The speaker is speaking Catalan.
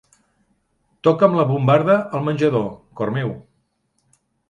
Toca'm la bombarda al menjador, cor meu.